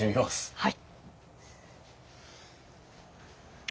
はい。